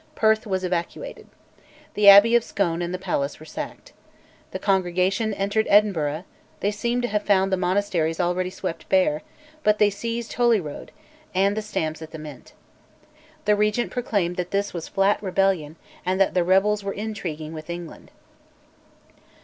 Perth was evacuated. The abbey of Scone and the palace were sacked. The Congregation entered Edinburgh: they seem to have found the monasteries already swept bare, but they seized Holyrood, and the stamps at the Mint. The Regent proclaimed that this was flat rebellion, and that the rebels were intriguing with England.